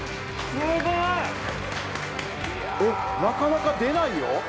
なかなか出ないよ。